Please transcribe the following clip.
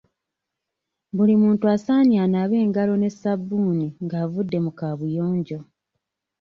Buli muntu asaanye anaabe mu ngalo ne ssabbuuni nga avudde mu kaabuyonjo.